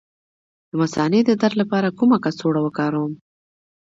د مثانې د درد لپاره کومه کڅوړه وکاروم؟